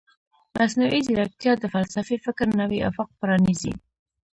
مصنوعي ځیرکتیا د فلسفي فکر نوی افق پرانیزي.